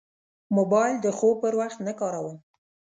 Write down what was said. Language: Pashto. موبایل د خوب پر وخت نه کاروم.